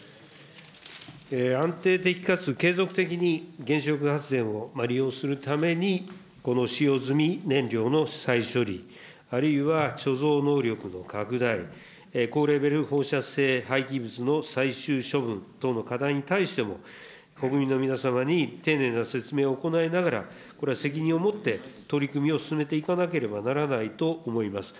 安定的かつ継続的に原子力発電を利用するために、この使用済み燃料の再処理、あるいは貯蔵能力の拡大、高レベル放射性廃棄物の最終処分等の課題に対しても、国民の皆様に丁寧な説明を行いながら、これは責任を持って取り組みを進めていかなければならないと思います。